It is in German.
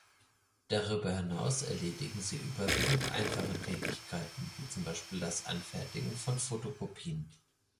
Darüber hinaus erledigen sie überwiegend einfache Tätigkeiten wie zum Beispiel das Anfertigen von Fotokopien.